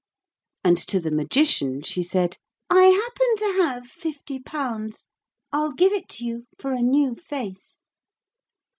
And to the Magician she said: 'I happen to have fifty pounds. I'll give it you for a new face.'